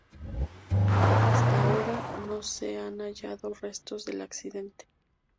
Hasta ahora, no se han hallado restos del accidente.